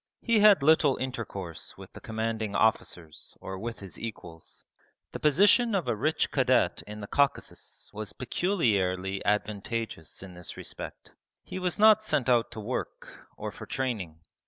He had little intercourse with the commanding officers or with his equals. The position of a rich cadet in the Caucasus was peculiarly advantageous in this respect. He was not sent out to work, or for training.